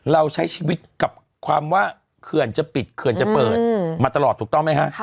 เราใช้ชีวิตกับความว่าเขื่อนจะปิดเขื่อนจะเปิดมาตลอดถูกต้องไหมฮะ